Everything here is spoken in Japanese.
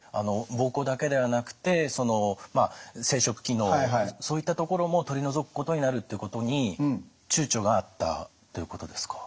膀胱だけではなくて生殖機能そういったところも取り除くことになるってことにちゅうちょがあったということですか。